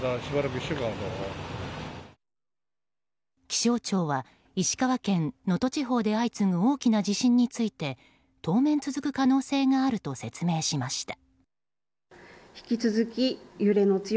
気象庁は石川県能登地方で相次ぐ大きな地震について当面続く可能性があると説明しました。